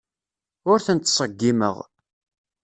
Ur ten-ttṣeggimeɣ.